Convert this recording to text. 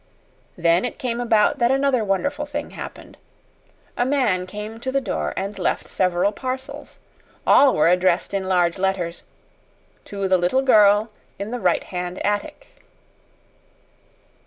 Then it came about that another wonderful thing happened. A man came to the door and left several parcels. All were addressed in large letters, "To the Little Girl in the right hand attic."